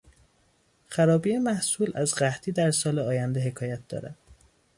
خرابی محصول از قحطی در سال آینده حکایت دارد.